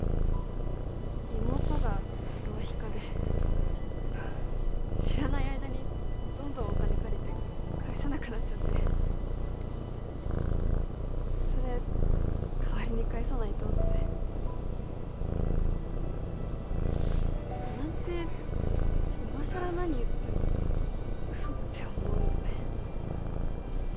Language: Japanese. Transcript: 妹が浪費家で知らない間にどんどんお金借りて返せなくなっちゃってそれ代わりに返さないとってなんて今さら何言っても嘘って思うよね